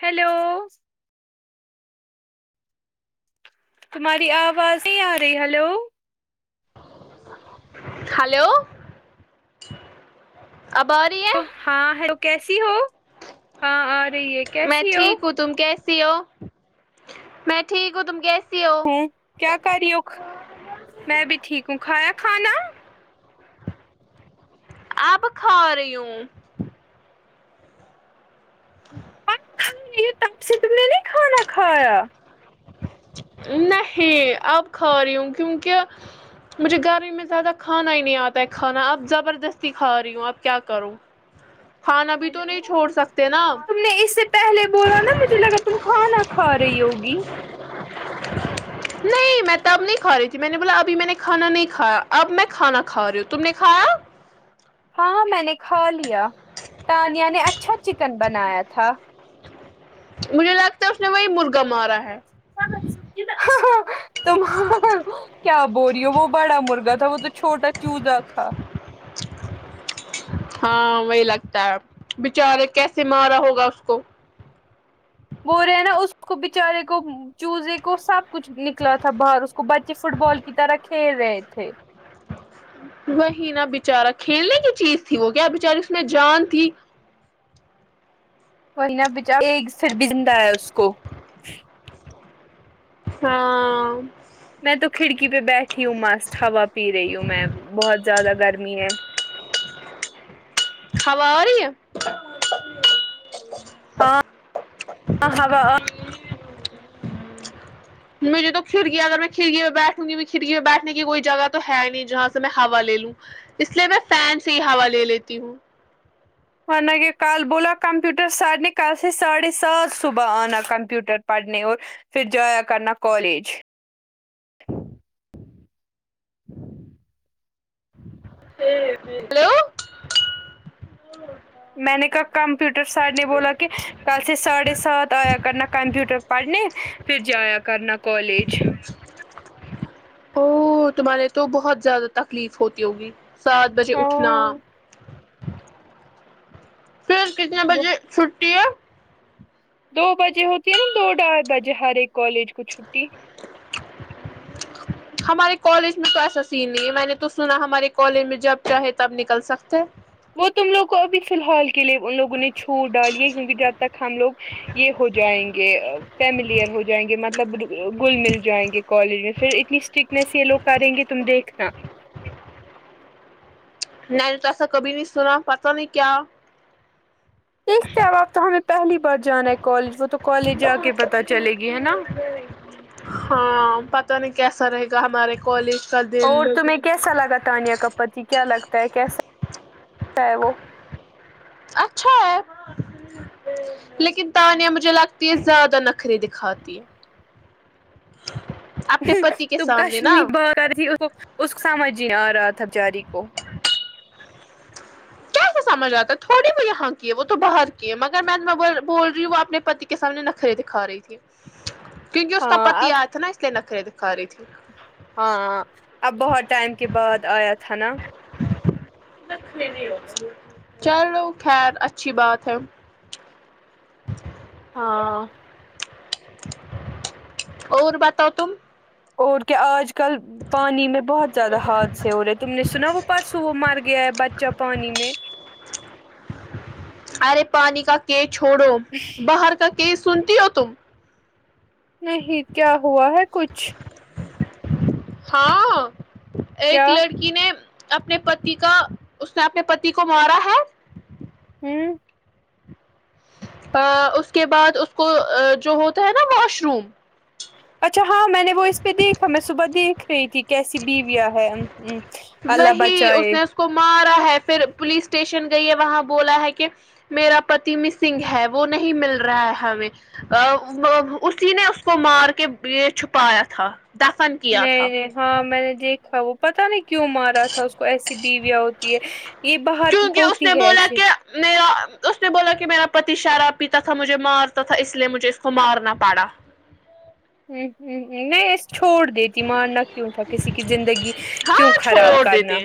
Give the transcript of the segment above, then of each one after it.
hello تمہاری آواز نہیں آ رہی ہیلو ہلو اب آ رہی ہے ہاں ہیلو کیسی ہو ہاں آ رہی ہے میں کیسی ہو ٹھیک ہوں تم کیسی ہو میں ٹھیک ہوں تم کیسی ہو کیا کر رہی ہو میں بھی ٹھیک ہوں کھایا کھانا آب کھاریوں ہوں کھ تب سے یی تم نے نہیں کھانا کھایا نہی آب کھاریوں ہوں کیونکہ مجھے گرمی میں زیادہ کھانا ہی نہیں آتا ہے کھانا اب زبردستی کھا رہی ہوں اب کیا کروں کھانا بھی تو نہیں چھوڑ سکتے نا تم نے اس سے پہلے بولا نا مجھے لگا تم کھانا کھا رہی ہوگی نہیں میں تب نہیں کھا رہی تھی میں نے بولا ابھی میں نے کھانا نہیں کھایا اب میں کھانا کھا رہی ہوں تم نے کھایا ہاں میں نے کھا لیا تانیہ نے اچھا چکن بنایا تھا مجھے لگتا ہے اس نے میں ہاں ہاں تم کیا بو رہی ہو وہ بڑا مرغا تھا وہ تو چھوٹا چوزا تھا ہاں وہی لگتا ہے بیچارے کیسے مارا ہوگا اس کو بول رہے ہیں نا اس کو بیچارے کو چزے کو سب کچھ نکلا تھا باہر اس کو بچے فٹ بال کی طرح کھیل رہے تھے وہی نا بیچارہ کھیلنے کی چیز تھی وہ کیا بچاری اس میں جان تھی وہی نا بچارا پھر بھی زندا اس کو ہاں میں تو کھڑکی پہ بیٹھی ہوں مست ہوا پی رہی ہوں میں بہت زیادہ گرمی ہے ہوا آ رہی ہے ہاں ہوا ہ مجھے تو کھڑکیا اگر میں کھڑکی میں بیٹھوں گی میں کھڑی میں بیٹھنے کی کوئی جگہ تو ہے نہیں جہاں میں ہاوا لے لوں اس لیے میں فین سے ہی ہاوا لے لیتی ہوں ہونے کہ کل بولا کمپیوٹر سرنے کل سے ساڑھے سات صبح آنا کمپیوٹر پڑھنے اور پھر جایا کرنا کالج ہیلو میں نے کہا کمپیوٹر سر نے بولا کہ کل سے ساڑھے سات آیا کرنا کمپیوٹر پڑھنے پھر جایا کرنا کالج او تمہارے تو بہت زیادہ تکلیف ہوتی ہوگی سات بجے اٹھنا ہاں پھر کتنے دو بجے چھٹی ہے دو بجے ہوتی ہے نا دو ڈائی بجے ہر ایک کالج کو چھٹی ہمارے کالج میں تو ایسا سین نہیں ہے میں نے تو سنا ہمارے کالج میں جب چاہے تب نکل سکتے وہ تم لوگ کو ابھی فلحال کے لیے ان لوگوں نے چھوٹ ڈالیے کیونکہ جب تک ہم لوگ یہ ہو جائیں گے فیمیلیئر ہو جائیں گے مطلب گل مل جائیں گے کالج میں پھر اتنی اسٹرکنیس یہ لوگ کریں گے تم دیکھنا میں نے تو ایسا کبھی نہیں سنا پتہ نہیں کیا دیکھتے ہے اب آپ تو ہمیں پہلی بار جانا ہے کال وہ تو کالج جا کے ہی پتہ چلے گی ہے نا ہاں پتا نہیں کیسا رہے گا ہمارے کالج کا دن اور تمہیں کیسا لگا تانیہ کا پتی کیا لگتا ہے کیسا ہے وہ اچھا ہے لیکن تانیا مجھے لگتی ہے زیادہ نخرے دکھاتی ہے اپنے پتی کے تو سامنے نا کشمیری بات آتی اس کو سمجھ نہیں آ رہا تھاچاری کو سمجھ آتا ہے تھوڑی وہ یہاں کی ہے وہ تو باہر کی ہے مگر میں بول رہی ہوں اپنے پتی کے سامنے نخرے دکھا رہی تھی کیونکہ اس کا ہاں پتی اب آیا تھا نا اس لیے نخرے دکھا رہی تھی ہاں ہاں اب بہت ٹائم کے بعد آیا تھا نا بہت فیری ہو گے تم چلو خیر اچھی بات ہے ہاں اور بتاؤ تم اور کیا آج کل پانی میں بہت زیادہ ہادسہ ہو رہے تم نے سنا وہ پرسوں وہ مر گیا ہے بچہ پانی میں ارے پانی کا کے چھوڑو باہر کا کیس سنتی ہو تم نہیں کیا ہوا ہے کچھ ہاں ایک کیا لڑکی نے اپنے پتی کا اس نے اپنے پتی کو مارا ہے ہوں ہاں اس کے بعد اس کو جو ہوتا ہے نا واش روم اچھا ہاں میں نے وہ اس پہ دیکھا میں صبح دیکھ رہی تھی کیسی بیویا ہے یعچ اللہ وہی اس بچائے نے اس کو مارا ہے پھر پولیس اسٹیشن گئی ہے وہاں بولا ہے کہ میرا پتی مسنگ ہے وہ نہیں مل رہا ہے ہمیں ا وہ اسی نے اس کو مار کے یہ چھپایا تھا دفن کیا تھا نہیں نہیں ہاں میں نے دیکھا ہے پتہ نہیں کیوں مار را تھا اس کو ایسی بیویا ہوتی ہے یہ باہر کیونکہ اس نے ہوتی ہے بولا ایسی کہ میرا ط اس نے بولا کہ میرا پتی شراب پیتا تھا مجھے مارتا تھا اس لیے مجھے اس کو مارنا پڑا نہیں نہیں اس چھوٹ دیتی مان کیوں تھا کسی کی زندگی کیوں ہاں خراب چھوڑ کرنا دیتے ہیں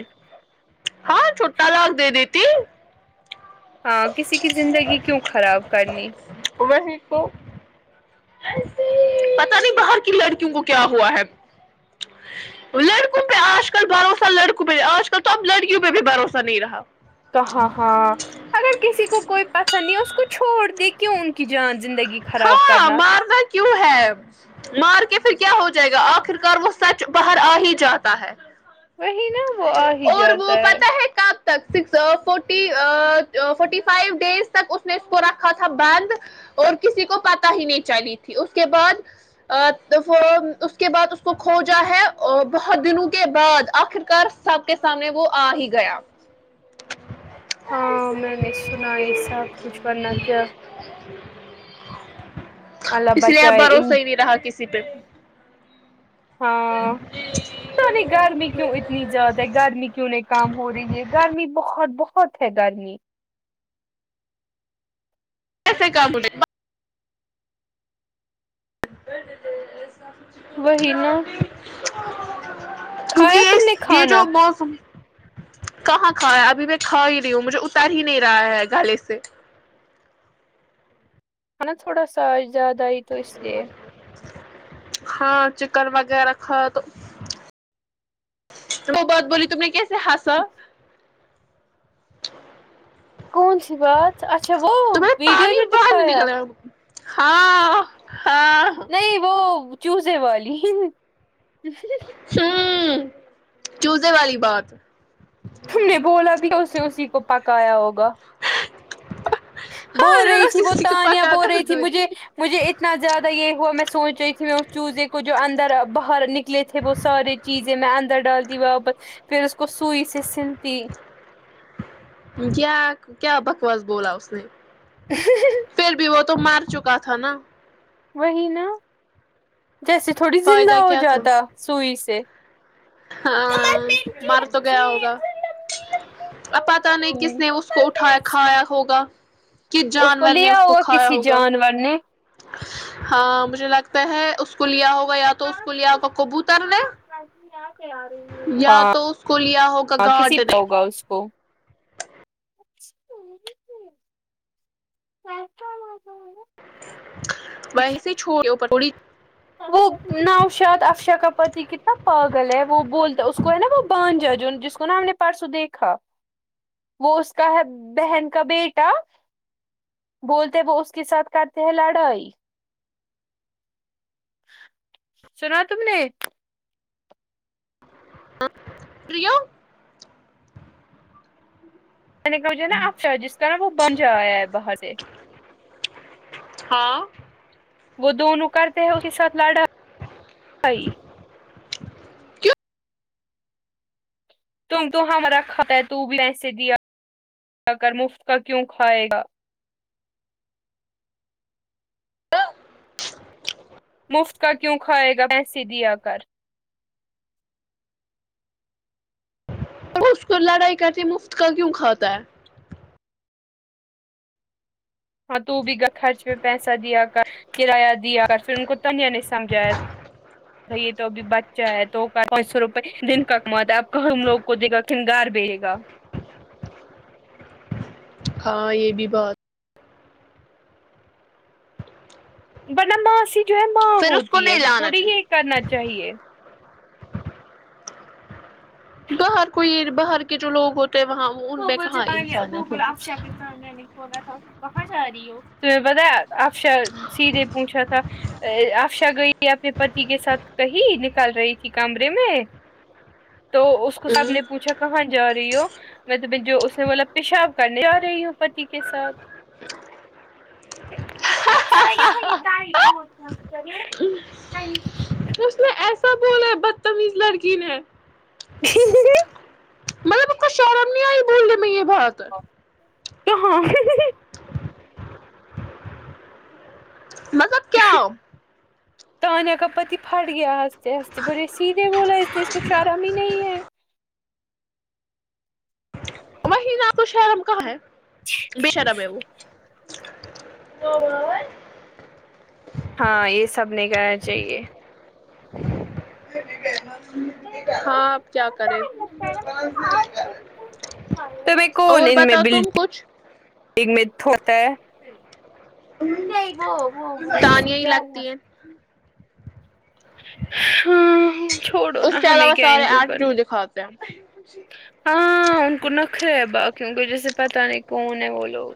ہاں چھوٹا لکھ دے دیتی ہاں کسی کی زندگی کیوں خراب کرنی تو اسی پتا نہیں باہر کی لڑکیوں کو کیا ہوا ہے لڑکوں پہ آج کل بھروسہ لڑکوں پہ آج کل تو اب لڑکیوں پہ بھی بھروسہ نہیں رہا کہاں ہاں اگر کسی کو کوئی پسند نہیں اس کو چھوڑ د کیوں ان کی جان زندگی خراب ہاں کرنا مارنا کیوں ہے مار کے پھر کیا ہو جائے گا آخر کار وہ سچ باہر آ ہی جاتا ہے وہی نا وہ آ ہی اور جاتا وہ ہے پتہ کب تک six forty forty five days تک اس نے اس کو رکھا تھا بند اور کسی کو پتا ہی نہیں چلی تھی اس کے بعد ا تو وہ اس کے بعد اس کو کھوجا ہے اور بہت دنوں کے بعد آخر کار سب کے سامنے وہ آ ہی گیا ہاں میں نے سنا یہ سب کچھ بننا کیا اللہ اس لیے اب بچائے بھروسہ ان ہی نہیں رہا کسی پہ ہاں پتا نہیں گرمی کیوں اتنی زیادہ ہے گرمی کیوں نہیں کام ہو رہی ہے گرمی بہت بہت ہوت ہے گرمی کیسے کام وہی نا کیونکہ کھایا یہ تم نے یہ کھانا جو موسم کہاں کھا ہے ابھی میں کھا ہی رہی ہوں مجھے اتر ہی نہیں رہا ہے گالے سے ہ نا تھوڑا سا یاد آئی تو اس لیے ہاں چکن وغیرہ کہایا تو وہ بات بولی تم نے کیسے ہاسا کون سی بات اچھا وہ ویڈیو جو دکھایا آب ہاں ہاں نہیں وہ چوزے والی ہ چوزے والی بات تم نے بولا بھی اسے اسی کو پکایا ہوگا بول رہی تھی وہ ہاں کو تانیہ پکا بول کر پھر رہی تھی مجھے دو مجھے اتنا زیادہ یہ ہوا میں سوچ رہی تھی میں اس چوزے کو جو اندر باہر نکلے تھے وہ سارے چیزے میں اندر ڈال دی واپس پھر اس کو سئی سے سلتی کیا کیا بکواس بولا اس نے پھر بھی وہ تو مار چکا تھا نا وہی نا جیسے تھوڑی زندہ فائدہ ہو کیا تھا جاتا سوئی سے ہاں کمر پین کی مر تو رکھی گیا ہے ہوگا اور اب پت نہیں لمبی کس لمبی نے اس کو اٹھایا ہوں کھایا ہوگا کہ اس کو جانور نے لیا ہوا کھایا کسی ہوگا جانور نے ہاں مجھے لگتا ہے اس کو لیا ہوگا یا تو اس کو لیا ہوگا کبوت تر نے یا تو اس کو لیا ہوگا گھٹ نے ا اسکوہ [unintelligible] ویسے ہی چھوڑ [unintelligible] ہو پٹوڑی وہ نوشاد افشاء کاا پتی کتنا پاگل ہے وہ بولتا اس کو ہے نا وہ بانجا جو جس کو نا ہم نے پرسو دیکھا وہ اس کا ہے بہن کا بیٹا بولتے وہ اس کے ساتھ کرتے ہیں لڑائی سنا تم نے فری ہو مجھ ہے نا افشا جس کا نا وہ بن جایا ہے باہر سے ہاں وہ دونوں کرتے ہیں اس کے ساتھ لڑاھائی تم تو ہمارا کھاتا ہے تو بھی پیسے دیا کر مفت کا کیوں کھائے گا مفت کا کیوں کھائے گا پیسے دیا کر اس کو لڑائی کرتی مفت کا کیوں کھاتا ہے ہاں تو بھی خرچ میں پیسہ دیا کر کرایہ دیا اگر پھر ان کو تانیہ نے سمجھایا تو یہ تو اب بچہ ہے تو پانچ سو روپئے دن کا کاماتا ہے اب ہم لوگ کھدی گا خھنگار بیے گا ہاں یہ بھی بات ورنہ ماسی جو ہے ماں پھر اس کو ہوتی ہے نہیں پھر لانا تھوڑی چاہیے یہ کرنا چاہیے باہر کوئی باہر کے جو لوگ ہوتے ہیں وہاں ان پہ کہاں انسانیت ہوتی سام میں نہیں کھولا تھا کہاں جا رہی ہو [unintelligible] افشا سیدھے پوچھا تھا ا آفشہ گئی اپنے کے ساتھ کہی نکال رہی تھی کمرے میں تو اس کو سب نے پوچھا کہاں جا رہی ہو میں جو اسے بولا پیشاب کرنے جا رہی ہوں پتی کے ساتھ ذرا یہاں یہ ہو [unintelligible] اس نے ایسا بول ہے بدتمیز لڑکی نے مطلب انکو شرم نہیں آئی بولنے میں یہ بات تو ہاں مطلب کیا تانیہ کا پتی پھٹ گیا ہنستے ہنستے بڑے سیدھے بولا استے اس کو شرم ہی نہیں ہے وہیں نہ تو شرم کہاں ہے بے شرم ہے وہ [unintelligible] ہاں یہ سب نہیں کہنا چاہیے ہاں آب کیا کریں کون ان میں [unintelligible] بڈ تم کچھ بڈگ میںتا ہے نہیں وہ وہ وہ تانیہ ہی کیا ہوا لگتی ہے ہاں چھوڑو نا اس کے ہمیں علاوہ کیا سارے ان کے کرنے ایٹیٹیوڈ دکھاتے ہیں ہاں ان کو نخرے ہے باقیوں کو جیسے پتا نہیں کون ہے وہ لوگ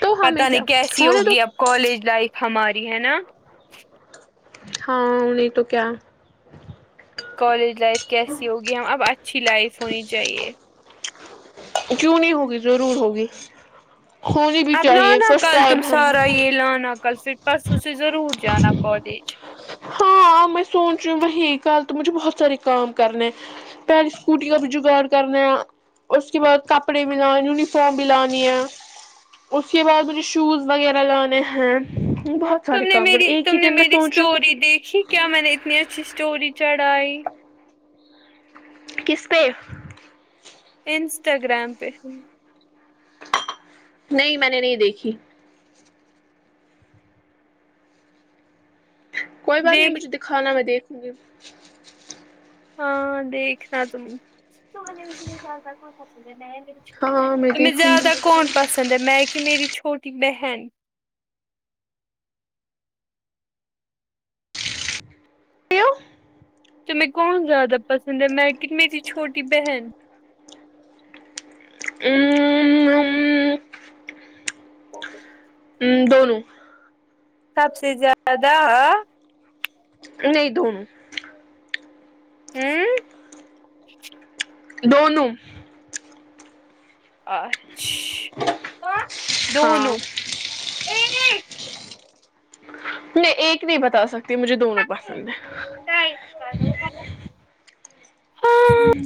تو ہمیں پتا کیا نہیں کیسی ہونے دو ہوگی اب کالج لائف ہماری ہے نا ہاں نہیں تو کیا کالج لائف کیسی ہوگی ہم اب اچھی لائف ہونی چاہیے کیوں نہیں ہوگی ضرور ہوگی ہونی بھی اب چاہیے لانا فرسٹ کل تم ٹائم ہم سارا یہ لانا کل پھر پرسوں سے ضرور جانا کالج ہاں میں سوچ رہی ہوں وہی کل تو مجھے بہت سارے کام کرنے کل اسکوٹی کا بھی جگاڑ کرنا اس کے بعد کپڑے بھی لان یونیفارم بھی لانی ہے اس کے بعد مجھے شوز وغیرہ لانے ہیں بہت تم سارے نے کام کر میری ایک تم ہی نے دن میں میری سوچ رہی اسٹوری دیکھی کیا میں نے اتنی اچھی اسٹوری چڑھائی کس پے انسٹاگرام پہ نہیں میں نے نہیں دیکھی کوئی بات نہیں دیکھ مجھے دکھانا میں دیکھوں گی ہاں دیکھنا تم ہاں میں تمہیں دیکھوں زیادہ کون پسند ہے میں کہ میری چھوٹی بہن تمہیں کون زیادہ پسند ہے میں کے میری چھوٹی بہن گی ھمم دونوں سب سے زیادہ اا نہیں دونوں ہمم دونوں اچھ ہاں دونوں میں ایک نہیں بتا سکتی مجھے دونوں پسند ہے ہاں